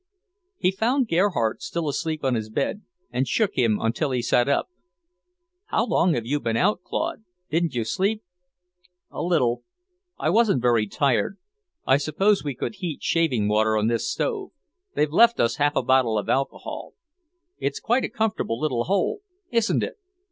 He found Gerhardt still asleep on his bed, and shook him until he sat up. "How long have you been out, Claude? Didn't you sleep?" "A little. I wasn't very tired. I suppose we could heat shaving water on this stove; they've left us half a bottle of alcohol. It's quite a comfortable little hole, isn't it?"